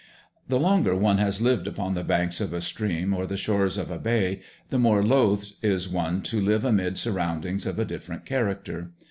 The longer one has lived upon the banks of a stream or the shores of a bay, the more loath is one to live amid surroundings of a different character.